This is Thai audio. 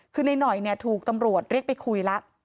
คือนายหน่อยเนี่ยถูกตำรวจเรียกไปคุยแล้ว